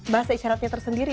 bahasa isyaratnya tersendiri